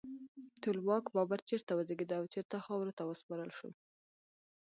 ټولواک بابر چیرته وزیږید او چیرته خاورو ته وسپارل شو؟